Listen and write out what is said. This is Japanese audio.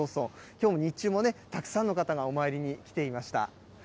きょう日中もたくさんの方がお参りに来ていました。